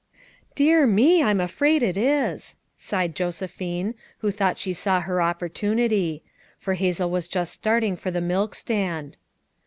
"Dear me, I'm afraid it is!" sighed Joseph inc who thought she saw her opportunity; for Hazel was just starting for the milk stand.